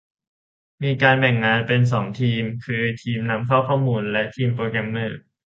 มีการแบ่งงานเป็น สอง ทีม คือ ทีมนำเข้าข้อมูล และ ทีมโปรแกรมเมอร์